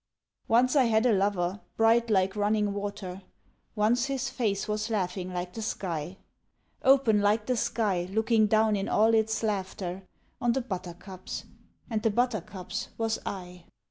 Once I had a lover bright like running water, Once his face was laughing like the sky; Open like the sky looking down in all its laughter On the buttercups, and the buttercups was I.